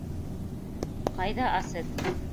— Ҡайҙа Асет?